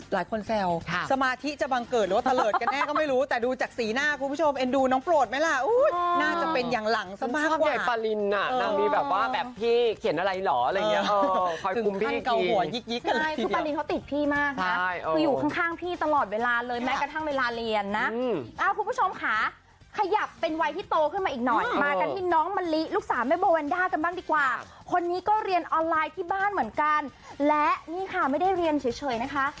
หลายคนแซวค่ะสมาธิจะบังเกิดหรือว่าเตลิดกันแน่ก็ไม่รู้แต่ดูจากสีหน้าคุณผู้ชมเอ็นดูน้องโปรดไหมล่ะอุ๊ยน่าจะเป็นอย่างหลังสำหรับใหญ่ปารินอ่ะนางนี้แบบว่าแบบพี่เขียนอะไรหรออะไรอย่างเงี้ยเออคอยคุ้มพี่จริงจึงขั้นเกาหัวยิกยิกกันเลยทีเดียวใช่คือปารินเขาติดพี่มาก